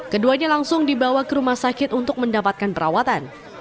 keduanya langsung dibawa ke rumah sakit untuk mendapatkan perawatan